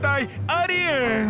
ありえん！